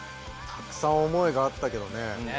たくさん思いがあったけどね。